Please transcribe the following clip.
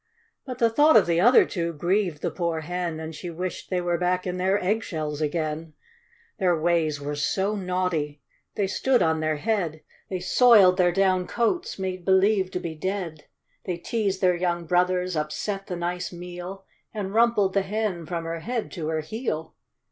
But the thought of the other two grieved the poor hen, And she wished they were back in their egg shells again : Their ways were so naughty. They stood on their head; They soiled their down coats ; made believe to be dead; They teased their young brothers ; upset the nice meal ; And rumpled the hen from her head to her heel.